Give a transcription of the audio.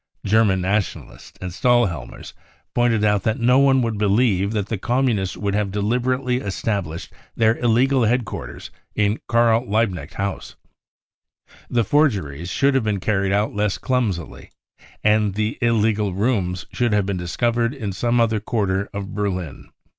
German Nationalists and Stahlhelmers pointed out that no one would believe that the Communists would have deliberately established their illegal headquarters in Karl Liebknecht House. The forgeries should have been carried out less clumsily, and the illegal rooms should have been discovered in some other quarter of Berlin.